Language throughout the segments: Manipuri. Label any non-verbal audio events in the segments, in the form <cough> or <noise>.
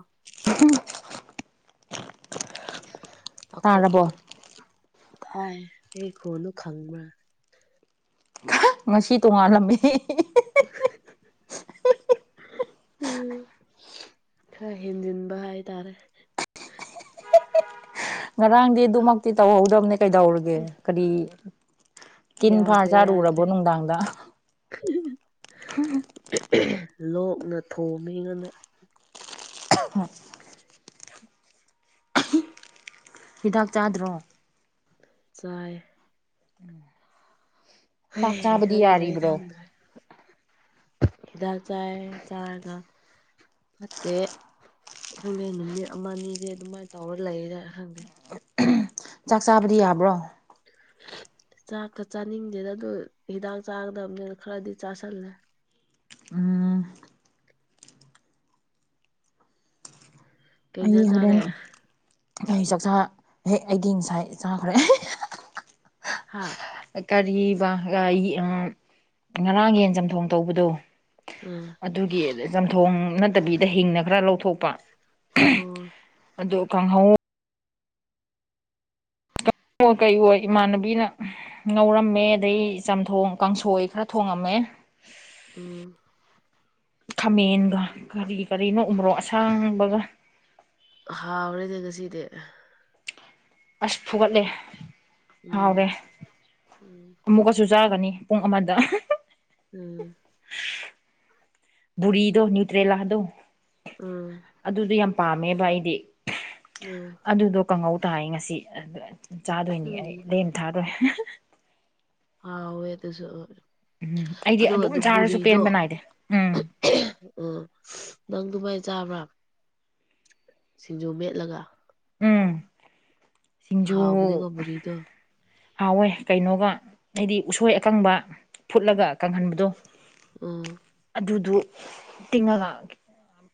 ꯑꯥ <unintelligible> ꯇꯥꯔꯕꯣ <unintelligible> ꯇꯥꯏ ꯑꯩ ꯈꯣꯟꯗꯨ ꯈꯪꯕ꯭ꯔꯥ ꯉꯁꯤ ꯇꯣꯡꯉꯥꯜꯂꯝꯃꯤ <inaudible> ꯎ ꯈꯔ ꯍꯦꯟꯖꯤꯟꯕ ꯍꯥꯏ ꯇꯥꯔꯦ ꯉꯔꯥꯡꯗꯤ ꯑꯗꯨꯃꯛꯇꯤ ꯇꯧꯍꯧꯗꯕꯅꯦ ꯀꯩꯗꯧꯔꯒꯦ ꯎꯝ ꯀꯔꯤ ꯇꯤꯟ ꯐꯥ ꯌꯥꯗ꯭ꯔꯦ ꯌꯥꯗ꯭ꯔꯦ ꯆꯥꯔꯨꯔꯕꯣ ꯅꯨꯡꯗꯥꯡꯗ ꯂꯣꯛꯅ ꯊꯨꯡꯉꯤꯒ <inaudible> ꯍꯤꯗꯥꯛ ꯆꯥꯗ꯭ꯔꯣ ꯆꯥꯏ <inaudible> ꯆꯥꯛ ꯍꯣꯏ ꯆꯥꯕꯗꯤ ꯈꯪꯗ꯭ꯔꯦ ꯌꯥꯔꯤꯕ꯭ꯔꯣ ꯈꯪꯗ꯭ꯔꯦ ꯍꯤꯗꯥꯛ ꯌꯥꯏ ꯆꯥꯔꯒ ꯐꯠꯇꯦ ꯈꯪꯉꯦ ꯅꯨꯃꯤꯠ ꯑꯃ ꯑꯅꯤꯗꯤ ꯑꯗꯨꯃꯥꯏꯅ ꯇꯧꯔ ꯂꯩꯗꯔ ꯈꯪꯗꯦ ꯆꯥꯛ ꯆꯥꯕꯗꯤ ꯌꯥꯕ꯭ꯔꯣ ꯆꯥꯛꯀ ꯆꯥꯅꯤꯡꯗꯦꯗ ꯑꯗꯨ ꯍꯤꯗꯥꯛ ꯆꯥꯒꯗꯕꯅꯤꯅ ꯈꯔꯗꯤ ꯆꯥꯥꯁꯜꯂꯦ ꯎꯝ ꯀꯩ ꯑꯩ ꯏꯟꯖꯥꯡ ꯆꯥꯔꯦ ꯍꯣꯔꯦꯟ ꯑꯩꯩ ꯆꯥꯛꯆꯥ ꯍꯦꯛ ꯑꯩꯗꯤ ꯉꯁꯥꯏ ꯆꯥꯈ꯭ꯔꯦ ꯍꯥꯥ <unintelligible> ꯉꯔꯥꯡ ꯌꯦꯟ ꯆꯝꯊꯣꯡ ꯇꯧꯕꯗꯣ ꯎꯝ ꯑꯗꯨꯒꯤ ꯆꯝꯊꯣꯡ ꯅꯠꯇꯕꯤꯗ ꯍꯤꯡꯅ ꯈꯔ ꯂꯧꯊꯣꯛꯄ ꯑꯗꯨ ꯀꯥꯡꯍꯧ ꯀꯩꯍꯣꯏ ꯏꯃꯥꯟꯅꯕꯤꯅ ꯉꯧꯔꯝꯃꯦ ꯑꯗꯩ ꯆꯝꯊꯣꯡ ꯀꯥꯡꯁꯣꯏ ꯈꯔ ꯊꯣꯡꯉꯝꯃꯦ ꯑꯝ ꯈꯥꯃꯦꯟꯒ ꯀꯔꯤ ꯀꯔꯤꯅꯣ ꯎꯃꯣꯔꯣꯛ ꯑꯁꯥꯡꯕꯒ ꯍꯥꯎꯔꯦꯅꯦ ꯉꯁꯤꯗꯤ ꯑꯁ ꯐꯨꯒꯠꯂꯦ ꯎꯝ ꯍꯥꯎꯔꯦ ꯎꯝ ꯑꯃꯨꯛꯀꯁꯨ ꯆꯥꯒꯅꯤ ꯄꯨꯡ ꯑꯃꯗ ꯎꯝ ꯕꯨꯔꯤꯗꯣ ꯅ꯭ꯌꯨꯇ꯭ꯔꯦꯂꯥꯗꯣ ꯎꯝ ꯑꯗꯨꯗꯣ ꯌꯥꯝ ꯄꯥꯝꯃꯦꯕ ꯑꯩꯗꯤ ꯎꯝ ꯑꯗꯨꯗꯣ ꯀꯥꯡꯍꯧ ꯇꯥꯏ ꯉꯁꯤ ꯆꯥꯗꯣꯏꯅꯤ ꯑꯩ ꯎꯝ ꯂꯦꯝ ꯊꯥꯔꯣꯏ ꯍꯥꯎꯑꯦ ꯑꯗꯨꯁꯨ ꯎꯝ ꯑꯩꯗꯤ ꯑꯗꯨꯝ ꯆꯥꯔꯁꯨ ꯄꯦꯟꯕ ꯅꯥꯏꯗꯦ ꯎꯝ ꯑꯣ ꯅꯪ ꯗꯨꯃꯥꯏ ꯆꯥꯕ꯭ꯔꯥ ꯁꯤꯡꯖꯨ ꯃꯦꯠꯂꯒ ꯎꯝ ꯁꯤꯡꯖꯨ ꯍꯥꯎꯕꯅꯤꯉꯣ ꯕꯨꯔꯤꯗꯣ ꯍꯥꯎꯋꯦ ꯀꯩꯅꯣꯒ ꯑꯩꯗꯤ ꯎꯁꯣꯏ ꯑꯀꯪꯕ ꯐꯨꯠꯂꯒ ꯀꯪꯍꯟꯕꯗꯣ ꯎꯝ ꯑꯗꯨꯗꯨ ꯇꯤꯡꯉꯒ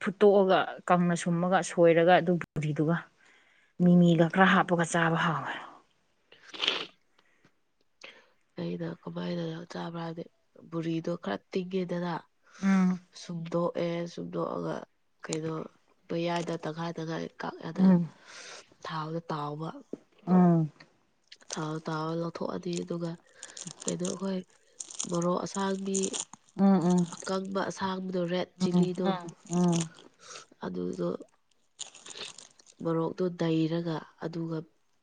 ꯐꯨꯠꯇꯣꯛꯑꯒ ꯀꯪꯅ ꯁꯨꯝꯃꯒ ꯁꯣꯏꯔꯒ ꯑꯗꯨ ꯄ꯫ꯕꯨꯔꯤꯗꯨꯒ ꯎꯝ ꯃꯤꯃꯤꯒ ꯈꯔ ꯍꯥꯞꯄꯒ ꯆꯥꯕ ꯍꯥꯎꯋꯦ <inaudible> ꯑꯩꯅ ꯀꯃꯥꯏꯅꯅꯣ ꯆꯥꯕ꯭ꯔ ꯍꯥꯏꯕꯗꯤ ꯕꯨꯨꯔꯤꯗꯣ ꯈꯔ ꯇꯤꯡꯉꯦꯗꯅ ꯎꯝ ꯁꯨꯝꯗꯣꯛꯑꯦ ꯁꯨꯝꯗꯣꯛꯑꯒ ꯀꯩꯅꯣ ꯃꯌꯥꯏꯗ ꯇꯪꯈꯥꯏ ꯇꯪꯈꯥꯏ ꯀꯛ ꯑꯗ ꯎꯝ ꯊꯥꯎꯗ ꯇꯥꯎꯕ ꯎꯝ ꯊꯥꯎ ꯇꯥꯎꯔ ꯂꯧꯊꯣꯛꯑꯅꯤ ꯑꯗꯨꯒ ꯀꯩꯅꯣ ꯑꯩꯈꯣꯏ ꯃꯣꯔꯣꯛ ꯑꯁꯥꯡꯕꯤ ꯎꯝ ꯎꯝ ꯑꯀꯪꯕ ꯑꯁꯥꯡꯕꯗꯣ ꯔꯦꯠ ꯎꯝ ꯆꯤꯂꯤꯗꯣ ꯎꯝ ꯑꯗꯨꯗꯣ ꯃꯣꯔꯣꯛꯇꯣ ꯅꯩꯔꯒ ꯑꯗꯨꯒ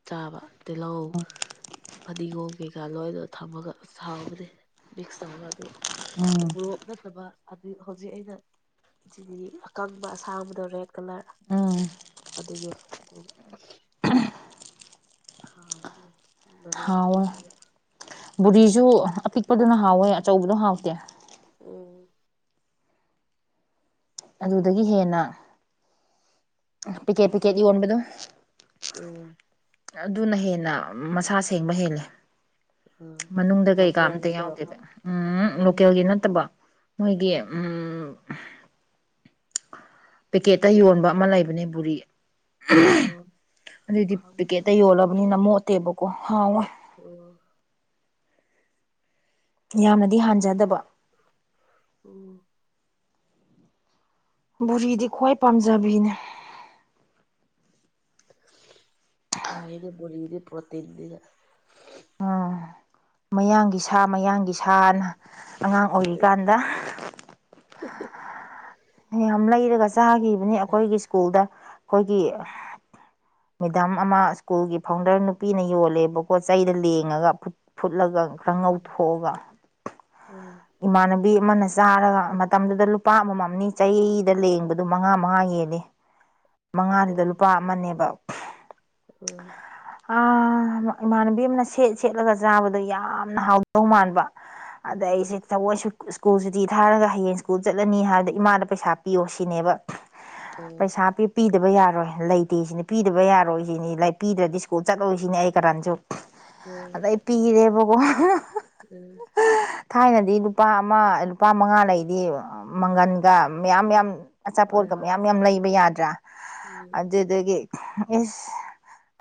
ꯆꯥꯕ ꯇꯤꯜꯍꯧ ꯐꯗꯤꯒꯣꯝ ꯀꯩꯀꯥ ꯂꯣꯏꯅ ꯊꯝꯃꯒ ꯑꯁ ꯍꯥꯎꯕꯅꯤ ꯃꯤꯛꯁ ꯇꯧꯔꯒ ꯑꯗꯨ ꯎꯝ ꯎꯃꯣꯔꯣꯛ ꯅꯠꯇꯕ ꯍꯧꯖꯤꯛ ꯑꯩꯅ ꯆꯤꯂꯤ ꯑꯀꯪꯕ ꯑꯁꯥꯡꯕꯗ ꯔꯦꯗ ꯀꯂꯔ ꯎꯝ ꯑꯗꯨꯁꯨ ꯍꯥꯞꯄꯒ ꯍꯥꯎꯕꯅꯦ ꯃꯣꯔꯣꯛ ꯍꯥꯎꯋꯦ ꯃꯦꯠꯂꯒ ꯕꯨꯔꯤꯁꯨ ꯑꯄꯤꯛꯄꯗꯨꯅ ꯍꯥꯎꯋꯦ ꯑꯆꯧꯕꯗꯣ ꯍꯥꯎꯇꯦ ꯎꯝ ꯑꯗꯨꯗꯒꯤ ꯍꯦꯟꯅ ꯄꯤꯛꯀꯦꯠ ꯄꯤꯛꯀꯦꯠ ꯌꯣꯟꯕꯗꯣ ꯎꯝ ꯑꯗꯨꯅ ꯍꯦꯟꯅ ꯃꯁꯥ ꯁꯦꯡꯕ ꯍꯦꯜꯂꯦ ꯎꯝ ꯃꯅꯨꯡꯗ ꯀꯩꯀꯥ ꯑꯝꯇ ꯂꯣꯀꯦꯜꯒꯤꯗꯣ ꯌꯥꯎꯗꯦꯕ ꯎꯝ ꯂꯣꯀꯦꯜꯒꯤ ꯅꯠꯇꯕ ꯃꯣꯏꯒꯤ ꯄꯦꯀꯦꯠꯇ ꯌꯣꯟꯕ ꯑꯃ ꯂꯩꯕꯅꯦ ꯕꯨꯔꯤ ꯑꯣ ꯑꯗꯨꯗꯤ ꯈꯪꯗꯦ ꯄꯦꯀꯦꯠꯇ ꯌꯣꯜꯂ ꯃꯤꯅ ꯃꯣꯠꯇꯦꯕꯀꯣ ꯍꯥꯎꯋꯦ ꯎꯝ ꯌꯥꯝꯅꯗꯤ ꯍꯥꯟꯖꯗꯕ ꯎꯝ ꯕꯨꯔꯤꯗꯤ ꯈ꯭ꯋꯥꯏ ꯄꯥꯝꯖꯕꯤꯅꯦ ꯐꯩꯅꯦ ꯕꯨꯔꯤꯗꯤ ꯄ꯭ꯔꯣꯇꯤꯟꯅꯤꯅ ꯎꯝ ꯃꯌꯥꯡꯒꯤ ꯁꯥ ꯃꯌꯥꯡꯒꯤ ꯁꯥꯅ ꯑꯉꯥꯡ ꯑꯣꯏꯔꯤꯀꯥꯟꯗ <inaudible> ꯌꯥꯝ ꯂꯩꯔꯒ ꯆꯥꯈꯤꯕꯅꯤ ꯑꯩꯈꯣꯏꯒꯤ ꯁ꯭ꯀꯨꯜꯗ ꯑꯩꯈꯣꯏꯒꯤ ꯃꯦꯗꯥꯝ ꯑꯃ ꯁ꯭ꯀꯨꯜꯒꯤ ꯐꯥꯎꯟꯗꯔ ꯅꯨꯄꯤꯅ ꯌꯣꯜꯂꯦꯕꯀꯣ ꯆꯩꯗ ꯂꯦꯡꯉꯒ ꯐꯨꯠ ꯐꯨꯠꯂꯒ ꯈꯔ ꯎꯝ ꯉꯧꯊꯣꯛꯑꯒ ꯎꯝ ꯏꯃꯥꯟꯅꯕꯤ ꯑꯃꯅ ꯆꯥꯔꯒ ꯃꯇꯝꯗꯨꯗ ꯂꯨꯄꯥ ꯑꯃꯃꯝꯅꯤ ꯆꯩꯗ ꯂꯦꯡꯕꯗꯨ ꯃꯉꯥ ꯃꯉꯥ ꯍꯦꯟꯂꯦ ꯃꯉꯥꯗꯨꯗ ꯂꯨꯄꯥ ꯑꯃꯅꯦꯕ ꯑꯝ ꯑ ꯏꯃꯥꯟꯅꯕꯤ ꯑꯃꯅ ꯁꯦꯠ ꯁꯦꯠꯂꯒ ꯆꯥꯕꯗꯨ ꯌꯥꯝꯅ ꯍꯥꯎ ꯗꯧ ꯃꯥꯟꯕ ꯑꯗ ꯑꯩꯁꯦ ꯊꯕꯣꯏ ꯁꯨ ꯁ꯭ꯀꯨꯜꯁꯨꯇꯤ ꯊꯥꯔꯒ ꯍꯌꯦꯡ ꯁ꯭ꯀꯨꯜ ꯆꯠꯂꯅꯤ ꯍꯥꯏꯕꯗ ꯏꯃꯥꯗ ꯄꯩꯁꯥ ꯄꯤꯌꯣ ꯁꯤꯅꯦꯕ ꯎꯝ ꯎꯝ ꯄꯩꯁꯥ ꯄꯤ ꯄꯤꯗꯕ ꯌꯥꯔꯣꯏ ꯂꯩꯇꯦ ꯁꯤꯅꯤ ꯄꯤꯗꯕ ꯌꯥꯔꯣꯏ ꯁꯤꯅꯤ ꯂꯥꯏꯛ ꯄꯤꯗ꯭ꯔꯗꯤ ꯁ꯭ꯀꯨꯜ ꯆꯠꯂꯣꯏꯁꯤꯅꯤ ꯑꯩ ꯀꯥꯔꯟꯁꯨ ꯎꯝ ꯑ ꯄꯤꯔꯦꯕꯀꯣ ꯎꯝ ꯊꯥꯏꯅꯗꯤ ꯂꯨꯄꯥ ꯑꯃ ꯂꯨꯄꯥ ꯃꯉꯥ ꯂꯩꯗꯤ ꯃꯪꯒꯟꯒ ꯃꯌꯥꯝ ꯌꯥꯝ ꯍꯣꯏ ꯑꯆꯥꯄꯣꯠꯀ ꯍꯣꯏ ꯃꯌꯥꯝ ꯌꯥꯝ ꯂꯩꯕ ꯌꯥꯗ꯭ꯔꯥ ꯎꯝ ꯑꯗꯨꯗꯒꯤ ꯏꯁ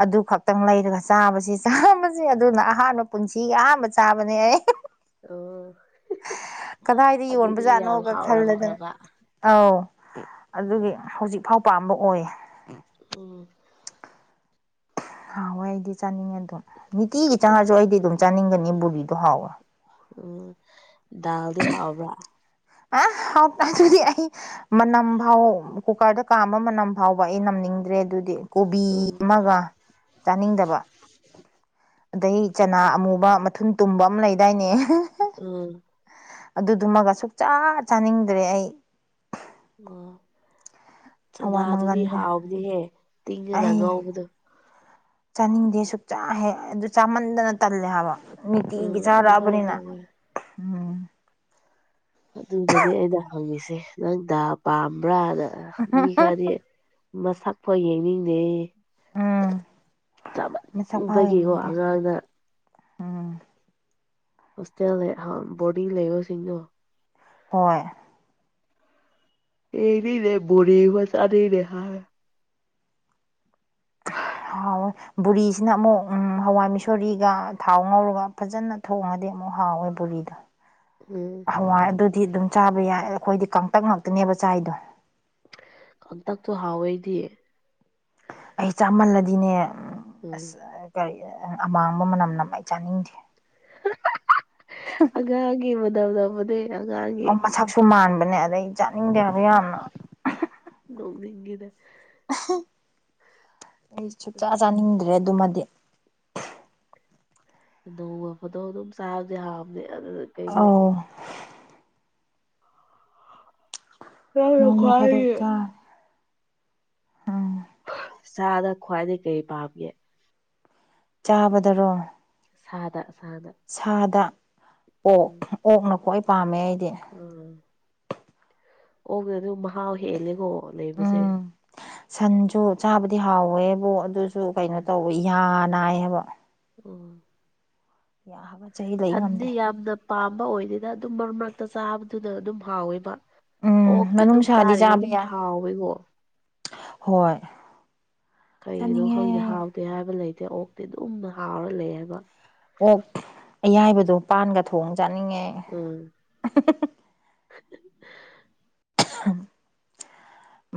ꯑꯗꯨ ꯈꯛꯇꯪ ꯂꯩꯔꯒ ꯆꯥꯕꯁꯤ ꯆꯥꯕꯁꯤ ꯑꯗꯨꯅ ꯑꯍꯥꯟꯕ ꯄꯨꯟꯁꯤꯒꯤ ꯑꯍꯥꯟꯕ ꯆꯥꯕꯅꯦ ꯑꯩ ꯑꯣ ꯀꯗꯥꯏꯗ ꯑꯗꯨꯗꯤ ꯌꯥꯝ ꯌꯣꯟꯕꯖꯥꯠꯅꯣꯒ ꯈꯜꯂꯗꯅ ꯍꯥꯎꯔꯝꯈ꯭ꯔꯕ ꯑꯧ ꯑꯗꯨꯒꯤ ꯍꯧꯖꯤꯛꯐꯥꯎ ꯄꯥꯝꯕ ꯑꯣꯏꯌꯦ ꯎꯝ ꯍꯥꯎꯋꯦ ꯑꯩꯗꯤ ꯆꯥꯅꯤꯡꯉꯦ ꯑꯗꯨꯝ ꯅꯤꯇꯤꯒꯤ ꯆꯥꯉꯥꯁꯨ ꯑꯩꯗꯤ ꯑꯗꯨꯝ ꯆꯥꯅꯤꯡꯒꯅꯤ ꯕꯨꯕꯤꯗꯣ ꯍꯥꯎꯋꯦ ꯎꯝ ꯗꯜꯗꯤ ꯍꯥꯎꯕ꯭ꯔꯥ ꯑ ꯍꯥꯎ ꯑꯗꯨꯗꯤ ꯑ ꯃꯅꯝ ꯐꯥꯎ ꯀꯨꯀꯔꯗ ꯀꯥꯝꯕ ꯃꯅꯝ ꯐꯥꯎꯕ ꯑꯩ ꯅꯝꯅꯤꯡꯗ꯭ꯔꯦ ꯑꯗꯨꯗꯤ ꯗꯤ ꯀꯣꯕꯤ ꯎꯝ ꯑꯃꯒ ꯆꯥꯅꯤꯡꯗꯕ ꯑꯗꯩ ꯆꯅꯥ ꯑꯃꯨꯕ ꯃꯊꯨꯟ ꯇꯨꯝꯕ ꯑꯃ ꯂꯩꯗꯥꯏꯅꯦ ꯎꯝ ꯑꯗꯨꯗꯨꯃꯒ ꯁꯨꯛꯆꯥ ꯆꯥꯅꯤꯡꯗ꯭ꯔꯦ ꯑꯩ ꯑꯣ ꯍꯋꯥꯏ ꯆꯅꯥꯗꯨꯗꯤ ꯃꯪꯒꯟꯒ ꯍꯥꯎꯅꯤꯍꯦ ꯇꯤꯡꯉꯒ ꯑꯩ ꯉꯧꯕꯗꯣ ꯆꯥꯅꯤꯡꯗꯦ ꯁꯨꯛꯆꯥ ꯍꯦꯛ ꯑꯗꯨ ꯆꯥꯃꯟꯗꯅ ꯇꯜꯂꯦ ꯍꯥꯏꯕ ꯅꯤꯇꯤꯒꯤ ꯎꯝ ꯑꯗꯨꯃꯥꯏꯅ ꯆꯥꯔꯛꯑꯕꯅꯤꯅ ꯇꯧꯋꯦ ꯎꯝ ꯑꯗꯨꯗꯗꯤ ꯑꯩꯅ ꯍꯪꯉꯤꯁꯤ ꯅꯣꯏꯗ ꯄꯥꯝꯕ꯭ꯔꯥꯅ ꯑ ꯃꯤ ꯈꯔꯗꯤ ꯃꯁꯛꯐꯥꯎ ꯌꯦꯡꯅꯤꯡꯗꯦ ꯎꯝ ꯃꯁꯛ ꯐꯥꯎ ꯆꯥꯃꯕꯒꯤꯀꯣ ꯌꯦꯡꯅꯤꯡꯗꯦ ꯑꯉꯥꯡꯅ ꯎꯝ ꯍꫭꯁꯇꯦꯜ ꯂꯩ ꯑꯍꯥꯥ ꯕꯣꯔꯗꯤ ꯂꯩꯕꯥ ꯁꯤꯡꯗꫭ ꯍꯣꯏ ꯑꯦꯔꯤꯅꯦ ꯕꯣꯔꯤ ꯃꯆꯥ ꯗꯨꯏꯅꯦ ꯍꯥꯏ ꯍꯥꯎꯑꯦ ꯕꯣꯔꯤꯁꯤꯅ ꯑꯃꯨꯛ ꯍꯋꯥꯏ ꯃꯤꯁꯣꯔꯤꯒ ꯊꯥꯎ ꯉꯧꯔꯒ ꯐꯖꯅ ꯊꯣꯡꯉꯗꯤ ꯑꯃꯨꯛ ꯍꯥꯎꯋꯦ ꯕꯣꯔꯤꯗꯣ ꯎꯝ ꯑꯋꯥꯏ ꯑꯗꯨꯗꯤ ꯑꯗꯨꯝ ꯆꯥꯕ ꯌꯥꯏ ꯑꯩꯈꯣꯏꯗꯤ ꯀꯥꯡꯇꯛ ꯉꯥꯛꯇꯅꯦꯕ ꯆꯥꯏꯗꯣ ꯀꯪꯇꯛꯇꯣ ꯍꯥꯎꯋꯦꯗꯤ ꯑꯩ ꯆꯥꯃꯜꯂꯗꯤꯅꯦ ꯎꯝ ꯑꯁ ꯀꯔꯤ ꯑꯃꯥꯡꯕ ꯃꯅꯝ ꯅꯥꯝ ꯑꯩ ꯆꯥꯅꯤꯡꯗꯦ <unintelligible> ꯑ ꯃꯁꯛꯁꯨ ꯃꯥꯟꯕꯅꯦ ꯑꯗꯩ ꯆꯥꯅꯤꯡꯗꯦ ꯍꯥꯏꯕ ꯌꯥꯝꯅ ꯅꯣꯛꯅꯤꯡꯉꯤꯗ ꯑꯩ ꯁꯨꯛꯆꯥ ꯆꯥꯅꯤꯡꯗ꯭ꯔꯦ ꯑꯗꯨꯃꯗꯤ ꯑꯗꯨꯒ ꯐꯣꯇꯣ ꯑꯗꯨꯝ ꯆꯥꯕꯗꯤ ꯍꯥꯎꯕꯅꯦ ꯑꯗꯨ ꯑꯧ ꯅꯣꯡꯃ ꯐꯥꯗꯣꯛ <unintelligible> ꯎꯝ ꯆꯗ ꯈ꯭ꯋꯥꯏꯗꯩꯩ ꯀꯩ ꯄꯥꯝꯒꯦ ꯆꯥꯕꯗꯔꯣ ꯁꯥꯗ ꯁꯥꯥꯗ ꯁꯥꯗ ꯑꯣꯛ ꯑꯣꯛꯅ ꯈ꯭ꯋꯥꯏ ꯄꯥꯝꯃꯦ ꯑꯩꯗꯤ ꯑꯥ ꯑꯣꯛꯅꯥ ꯑꯗꯨ ꯃꯍꯥꯎ ꯍꯦꯜꯂꯦꯀꯣ ꯂꯩꯕꯁꯦ ꯎꯝ ꯁꯟꯁꯨ ꯆꯥꯕꯗꯤ ꯍꯥꯎꯋꯦꯕ ꯑꯗꯨꯁꯨ ꯀꯩꯅꯣ ꯎꯝ ꯇꯧꯋ ꯌꯥꯅꯥꯏ ꯍꯥꯏꯕ ꯎꯝ <inaudible> ꯁꯟꯗꯤ ꯉꯝꯗꯦ ꯌꯥꯝꯅ ꯄꯥꯝꯕ ꯑꯣꯏꯗꯦꯗ ꯑꯗꯨꯝ ꯃꯔꯛ ꯃꯔꯅꯥꯛꯇ ꯆꯥꯕꯗꯨꯅ ꯑꯗꯨꯝ ꯍꯥꯎꯋꯦꯕ ꯎꯝ ꯑꯣꯛꯇꯤ ꯑꯗꯨꯝ ꯃꯅꯨꯡꯁꯥꯗꯤ ꯆꯥꯔꯤꯈꯩ ꯆꯥꯕ ꯑꯗꯨꯝ ꯌꯥꯏ ꯍꯥꯎꯋꯦꯀꯣ ꯍꯣꯏ ꯀꯩꯒꯤꯅꯣ ꯆꯥꯅꯤꯡꯉꯦ ꯈꯪꯗꯦ ꯍꯥꯎꯗꯦ ꯍꯥꯏꯕ ꯂꯩꯇꯦ ꯑꯣꯛꯇꯤ ꯑꯗꯨꯝ ꯍꯥꯎꯔ ꯂꯩ ꯍꯥꯏꯕ ꯑꯣꯛ ꯑꯌꯥꯏꯕꯗꯣ ꯄꯥꯟꯒ ꯊꯣꯡ ꯆꯥꯅꯤꯡꯉꯦ ꯎꯝ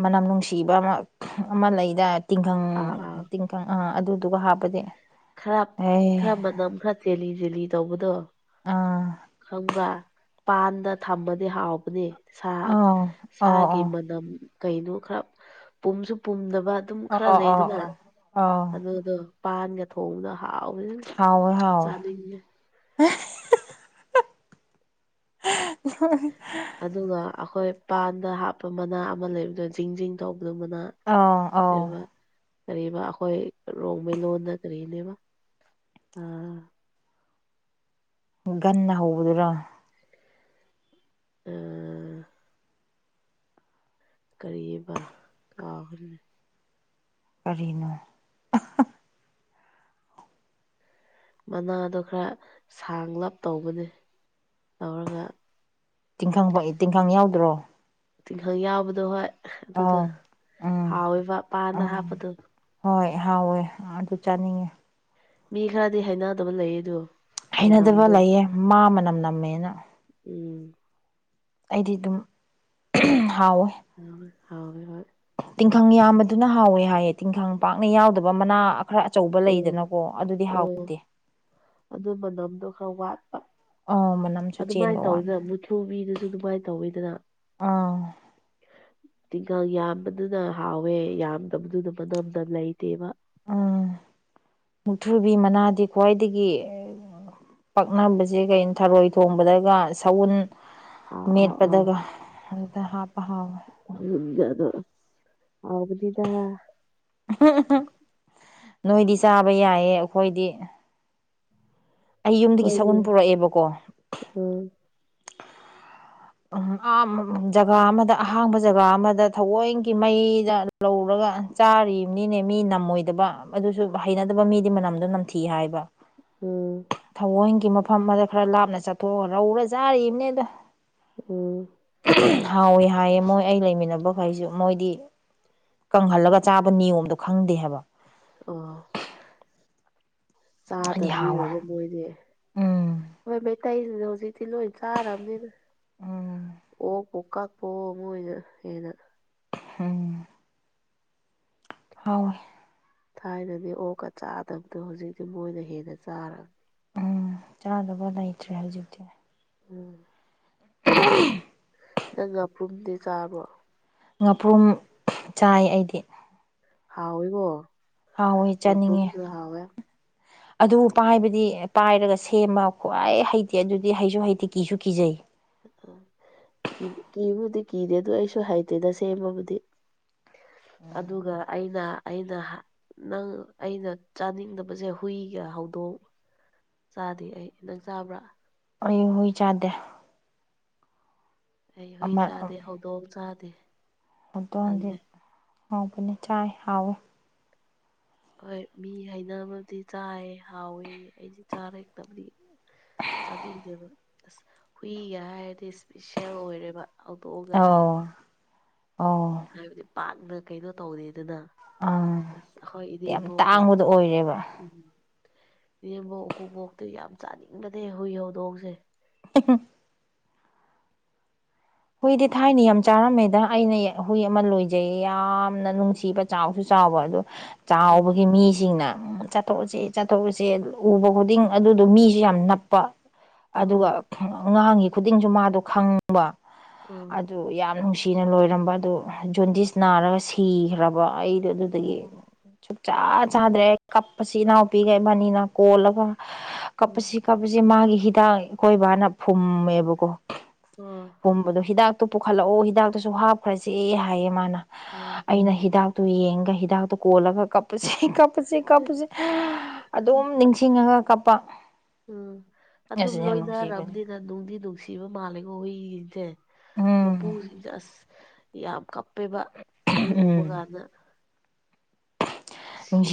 ꯃꯅꯝ ꯅꯨꯡꯁꯤꯕ ꯑꯃ ꯑꯃ ꯂꯩꯗꯥꯏ ꯇꯤꯡꯈꯪ ꯑꯥ ꯑꯥ ꯃꯄꯥꯟ ꯑ ꯑꯗꯨꯗꯨꯒ ꯍꯥꯞꯄꯗꯤ ꯈꯔ ꯑꯦ ꯈꯔ ꯃꯅꯝ ꯈꯔ ꯆꯦꯜꯂꯤ ꯆꯦꯜꯂꯤ ꯇꯧꯕꯗꯣ ꯑꯥ ꯈꯪꯕ꯭ꯔꯥ ꯄꯥꯟꯗ ꯊꯃꯗꯤ ꯍꯥꯎꯕꯅꯦ ꯁꯥ ꯑꯥꯎ ꯑꯥꯎ ꯁꯥꯒꯤ ꯑꯥꯎ ꯃꯅꯝ ꯀꯩꯅꯣ ꯈꯔ ꯄꯨꯝꯁꯨ ꯄꯨꯝꯗꯅꯕ ꯑꯗꯨꯝ ꯑꯥ ꯈꯔ ꯑꯥ ꯂꯩꯗꯅ ꯑꯥ ꯑꯥꯎ ꯑꯗꯨꯗꯣ ꯄꯥꯟꯒ ꯊꯣꯡꯕꯗ ꯍꯥꯎꯕꯅꯤ ꯍꯥꯎꯋꯦ ꯍꯥꯎꯋꯦ ꯆꯥꯅꯤꯡꯉꯦ <unintelligible> ꯑꯗꯨꯒ ꯑꯩꯈꯣꯏ ꯄꯥꯟꯗ ꯍꯥꯞꯄ ꯃꯅꯥ ꯑꯃ ꯂꯩꯕꯗꯣ ꯖꯤꯡ ꯖꯤꯡ ꯇꯧꯕꯗ ꯃꯅꯥ ꯑꯥ ꯑꯥꯎ ꯀꯩꯕꯥ ꯀꯔꯤꯕ ꯑꯩꯈꯣꯏ ꯔꯣꯡꯃꯩꯂꯣꯟꯗ ꯀꯔꯤꯅꯦꯕ ꯒꯟꯅ ꯍꯧꯕꯗꯨꯔꯣ ꯑ ꯀꯔꯤꯑꯕ ꯀꯥꯎꯈ꯭ꯔꯦꯅꯤ ꯀꯔꯤꯅꯣ ꯃꯅꯥꯗꯣ ꯈꯔ ꯁꯥꯡꯂꯞ ꯇꯧꯕꯅꯦ ꯇꯧꯔꯒ ꯇꯤꯡꯈꯪ ꯐ ꯇꯤꯡꯈꯪ ꯌꯥꯎꯗ꯭ꯔꯣ ꯇꯤꯡꯈꯪ ꯌꯥꯎꯕꯗꯣ ꯍꯣꯏ ꯑꯗꯨꯗꯣ ꯑꯥꯎ ꯎꯝ ꯍꯥꯎꯋꯦꯕ ꯄꯥꯟꯗ ꯎꯝ ꯍꯥꯞꯄꯗꯣ ꯍꯣꯏ ꯍꯥꯎꯋꯦ ꯑꯗꯨ ꯆꯥꯅꯤꯡꯉꯦ ꯃꯤ ꯈꯔꯗꯤ ꯍꯥꯏꯅꯗꯕ ꯂꯩꯌꯦ ꯑꯗꯨ ꯍꯩꯅꯗꯕ ꯂꯩꯌꯦ ꯃꯥ ꯃꯅꯝ ꯅꯝꯃꯦꯅ ꯎꯝ ꯑꯩꯗꯤ ꯑꯗꯨꯝ ꯍꯥꯎꯋꯦ ꯍꯥꯎꯋꯦ ꯍꯣꯏ ꯇꯤꯡꯈꯪ ꯌꯥꯝꯕꯗꯨꯅ ꯍꯥꯎꯋꯦ ꯍꯥꯏꯌꯦ ꯇꯤꯡꯈꯪ ꯄꯥꯛꯅ ꯌꯥꯎꯗꯕ ꯃꯅꯥ ꯈꯔ ꯑꯆꯧꯕ ꯎꯝ ꯂꯩꯗꯅꯀꯣ ꯑꯗꯨꯗꯤ ꯎꯝ ꯍꯥꯎꯗꯦ ꯑꯗꯨ ꯃꯅꯝꯗꯣ ꯈꯔ ꯋꯥꯠꯄ ꯑꯥ ꯃꯅꯝꯁꯨ ꯑꯗꯨꯃꯥꯏꯅ ꯆꯦꯟꯕ ꯋꯥꯅꯤ ꯇꯧꯗꯅ ꯃꯨꯊ꯭ꯔꯨꯕꯤꯗꯨꯁꯨ ꯑꯗꯨꯃꯥꯏꯅ ꯇꯧꯋꯤꯗꯅ ꯑꯥ ꯇꯤꯡꯈꯪ ꯌꯥꯝꯕꯗꯨꯅ ꯍꯥꯎꯋꯦ ꯌꯥꯝꯗꯕꯗꯨꯅ ꯃꯅꯝꯗ ꯂꯩꯇꯦꯕ ꯎꯝ ꯃꯨꯛꯊ꯭ꯔꯨꯕꯤ ꯃꯅꯥꯗꯤ ꯈ꯭ꯋꯥꯏꯗꯒꯤ ꯄꯛꯅꯕꯁꯦ ꯀꯩꯅꯣ ꯊꯔꯣꯏ ꯊꯣꯡꯕꯗꯒ ꯁꯎꯟ ꯑꯥ ꯑꯥ ꯃꯦꯠꯄꯗꯒ ꯑꯗꯨꯗ ꯍꯥꯞꯄ ꯍꯥꯎꯋꯦ ꯑꯗꯨ ꯍꯥꯎꯕꯅꯤꯗ ꯅꯣꯏꯗꯤ ꯆꯥꯕ ꯌꯥꯏꯌꯦ ꯑꯩꯈꯣꯏꯗꯤ ꯑꯩ ꯌꯨꯝꯗꯒꯤ ꯑꯩꯈꯣꯏꯗꯤ ꯁꯛꯎꯟ ꯄꯨꯔꯛꯑꯦꯕꯀꯣ ꯎꯝ ꯎꯝ ꯑ ꯖꯒꯥ ꯑꯃꯗ ꯑꯍꯥꯡꯕ ꯖꯒꯥ ꯑꯃꯗ ꯊꯑꯣꯏꯒꯤ ꯃꯩꯗ ꯂꯧꯔꯒ ꯆꯥꯔꯤꯕꯅꯤꯅꯦ ꯃꯤ ꯅꯝꯃꯣꯏꯗꯕ ꯑꯗꯨꯁꯨ ꯍꯩꯅꯗꯕ ꯃꯤꯗꯤ ꯃꯅꯝꯗꯣ ꯅꯝꯊꯤ ꯍꯥꯏꯕ ꯎꯝ ꯊꯑꯣꯏꯒꯤ ꯃꯐꯝ ꯑꯃꯗ ꯈꯔ ꯂꯥꯞꯅ ꯆꯠꯊꯣꯛꯑꯒ ꯔꯧꯔ ꯆꯥꯔꯤꯅꯦꯗ ꯎꯝ ꯍꯥꯎꯋꯦ ꯍꯥꯏꯌꯦ ꯃꯣꯏ ꯑꯩ ꯂꯩꯃꯤꯟꯅꯕꯈꯩꯁꯨ ꯃꯣꯏꯗꯤ ꯀꯪꯍꯜꯂꯒ ꯆꯥꯕ ꯅꯤꯌꯣꯝꯗꯣ ꯈꯪꯗꯦ ꯍꯥꯏꯕ ꯑ ꯍꯥꯏꯗꯤ ꯍꯥꯎꯋꯦ ꯆꯥꯗꯕꯅꯤꯅꯀꯣ ꯃꯣꯏꯗꯤ ꯎꯝ ꯍꯣꯏ ꯃꯩꯇꯩꯁꯤꯡꯁꯦ ꯍꯧꯖꯤꯛꯇꯤ ꯂꯣꯏ ꯆꯥꯔꯕꯅꯤꯗ ꯎꯝ ꯑꯣꯛ ꯑꯣꯛꯀꯥꯛꯄꯣ ꯃꯣꯏꯅ ꯍꯦꯟꯅ ꯎꯝ ꯍꯥꯎꯋꯦ ꯊꯥꯏꯅꯗꯤ ꯑꯣꯛꯀ ꯆꯥꯗꯕꯗꯣ ꯍꯧꯖꯤꯛꯇꯤ ꯃꯣꯏꯅ ꯍꯦꯟꯅ ꯆꯥꯔꯕꯅꯤ ꯎꯝ ꯆꯥꯗꯕ ꯂꯩꯇ꯭ꯔꯦ ꯍꯧꯖꯤꯛꯇꯤ ꯎꯝ <inaudible> ꯅꯪ ꯉꯥꯄ꯭ꯔꯨꯝꯗꯤ ꯆꯥꯕ꯭ꯔꯣ ꯉꯥꯄ꯭ꯔꯨꯝ ꯆꯥꯏ ꯑꯩꯗꯤ ꯍꯥꯎꯋꯤꯀꯣ ꯍꯥꯎꯋꯦ ꯆꯥꯅꯤꯡꯉꯦ ꯉꯥꯄ꯭ꯔꯨꯝꯁꯨ ꯍꯥꯎꯋꯦ ꯑꯗꯨ ꯄꯥꯏꯕꯗꯤ ꯄꯥꯏꯔꯒ ꯁꯦꯝꯃ ꯈ꯭ꯋꯥꯏ ꯍꯩꯇꯦ ꯑꯗꯨꯗꯤ ꯍꯩꯁꯨ ꯍꯩꯇꯦ ꯀꯤꯁꯨ ꯀꯤꯖꯩ ꯎꯝ ꯀꯤ ꯀꯤꯕꯨꯗꯤ ꯀꯤꯗꯦ ꯑꯗꯨ ꯑꯩꯁꯨ ꯍꯩꯇꯦꯗ ꯁꯦꯝꯕꯕꯨꯗꯤ ꯑꯗꯨꯒ ꯑꯩ ꯅ ꯑꯩꯅ ꯅꯪ ꯑꯩꯅ ꯆꯥꯅꯤꯡꯗꯕꯁꯦ ꯍꯨꯏꯒ ꯍꯧꯗꯣꯡ ꯆꯥꯗꯦ ꯑꯩ ꯅꯪ ꯆꯥꯕ꯭ꯔꯥ ꯑꯩ ꯍꯨꯏ ꯆꯥꯗꯦ ꯑꯩ ꯍꯨꯏ ꯑꯃ ꯆꯥꯗꯦ ꯍꯧꯗꯣꯡ ꯆꯥꯗꯦ ꯍꯧꯗꯣꯡꯗꯤ ꯇꯜꯂꯦ ꯍꯥꯎꯕꯅꯤ ꯆꯥꯏ ꯍꯥꯎꯋꯦ ꯍꯣꯏ ꯃꯤ ꯍꯩꯅꯕꯗꯤ ꯆꯥꯏ ꯍꯥꯎꯋꯦꯌꯦ ꯑꯩꯗꯤ ꯆꯥꯔ <unintelligible> ꯆꯥꯅꯤꯡꯗꯦꯕ ꯑꯁ ꯍꯨꯏꯒ ꯍꯥꯏꯔꯗꯤ ꯏꯁꯄꯤꯁꯦꯜ ꯑꯣꯏꯔꯦꯕ ꯍꯧꯗꯣꯛꯑꯒꯁꯦ ꯑꯣ ꯑꯣ ꯍꯥꯏꯕꯗꯤ ꯄꯥꯛꯅ ꯀꯩꯅꯣ ꯇꯧꯗꯦꯗꯅ ꯑꯥ ꯑꯁ ꯑꯈꯣꯏ ꯌꯥꯝ ꯏꯅꯦꯝꯕꯣꯛꯀ ꯇꯥꯡꯕꯗꯣ ꯑꯣꯏꯔꯦꯕ ꯎꯝ ꯏꯅꯦꯝꯕꯣꯛ ꯎꯀꯨꯕꯣꯛꯇꯤ ꯌꯥꯝ ꯆꯥꯅꯤꯡꯕꯅꯦ ꯍꯨꯏ ꯍꯧꯗꯣꯡꯁꯦ <inaudible> ꯍꯨꯏꯗꯤ ꯊꯥꯏꯅ ꯌꯥꯝ ꯆꯥꯔꯝꯃꯦꯗ ꯑꯩꯅ ꯍꯨꯏ ꯑꯃ ꯂꯣꯏꯖꯩ ꯌꯥꯝꯅ ꯅꯨꯡꯁꯤꯕ ꯆꯥꯎꯁꯨ ꯆꯥꯎꯕ ꯑꯗꯣ ꯎꯝ ꯆꯥꯎꯕꯒꯤ ꯃꯤꯁꯤꯡꯅ ꯆꯠ ꯆꯥꯊꯣꯛꯑꯁꯤ ꯆꯥꯊꯣꯛꯑꯁꯦ ꯎꯕ ꯈꯨꯗꯤꯡ ꯑꯗꯨꯗꯣ ꯃꯤꯁꯨ ꯌꯥꯝ ꯅꯞꯄ ꯑꯗꯨꯒ ꯎꯝ ꯉꯥꯡꯉꯤ ꯈꯨꯗꯤꯡꯁꯨ ꯃꯥꯗꯣ ꯈꯪꯕ ꯎꯝ ꯑꯗꯨ ꯌꯥꯝ ꯅꯨꯡꯁꯤꯅ ꯂꯣꯏꯔꯝꯕ ꯑꯗꯨ ꯖꯣꯟꯗꯤꯁ ꯅꯥꯔꯒ ꯁꯤꯈ꯭ꯔꯕ ꯑꯩ ꯑꯗꯨꯗꯒꯤ ꯁꯨꯡꯆꯥ ꯆꯥꯗ꯭ꯔꯦ ꯀꯞꯄꯁꯤ ꯏꯅꯥꯎꯄꯤꯒ ꯏꯕꯥꯅꯤꯅ ꯀꯣꯜꯂꯒ ꯀꯞꯄꯁꯤ ꯎꯝ ꯀꯛꯄꯁꯦ ꯃꯥꯒꯤ ꯍꯤꯗꯥꯛ ꯑꯈꯣꯏꯕꯅ ꯐꯨꯝꯃꯦꯕꯀꯣ ꯑꯥ ꯐꯨꯝꯕꯗꯣ ꯍꯤꯗꯥꯛꯇꯨ ꯄꯨꯈꯠꯂꯛꯑꯣ ꯍꯤꯗꯥꯛꯇꯨꯁꯨ ꯍꯥꯞꯈ꯭ꯔꯁꯦ ꯍꯥꯏꯌꯦ ꯃꯥꯅ ꯑꯥ ꯑꯩꯅ ꯍꯤꯗꯥꯛ ꯗꯨ ꯌꯦꯡꯉꯒ ꯍꯤꯗꯥꯛꯇꯨ ꯀꯣꯜꯂꯒ ꯀꯞꯄꯁꯤ ꯀꯞ ꯀꯞꯄꯁꯦ ꯀꯞꯄꯁꯦ ꯑꯗꯨꯝ ꯅꯤꯡꯁꯤꯡꯉꯒ ꯀꯞꯄ ꯎꯝ ꯑꯗꯨꯝ ꯑꯁ ꯌꯥꯝ ꯅꯨꯡꯁꯤꯕꯅꯦ ꯂꯣꯏꯅꯔꯕꯅꯤ ꯅ ꯅꯨꯡꯗꯤ ꯅꯨꯡꯁꯤꯕ ꯃꯥꯜꯂꯦꯀꯣ ꯍꯨꯏꯁꯤꯡꯁꯦ ꯎꯝ ꯃꯄꯨꯁꯤꯡꯁꯦ ꯑꯁ ꯌꯥꯝ ꯀꯞꯄꯦꯕ ꯑꯩ ꯎꯕ ꯎꯝ ꯀꯥꯟꯗ ꯅꯨꯡꯁꯤ ꯉꯁꯤ